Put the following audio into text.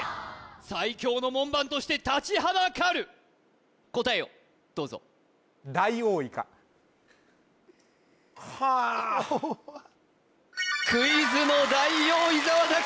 最強の門番として立ちはだかる答えをどうぞ・はあ・こわっクイズの大王伊沢拓司